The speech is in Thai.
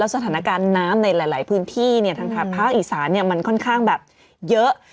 สถานการณ์น้ำในหลายพื้นที่ทางแถบภาคอีสานมันค่อนข้างแบบเยอะ